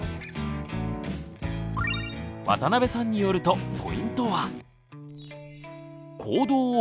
渡邊さんによるとポイントは。